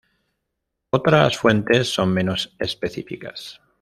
Otras fuentes son menos específicas.